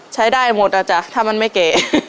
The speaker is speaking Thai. ใช้ได้หมดอ่ะจ๊ะถ้ามันไม่เก๋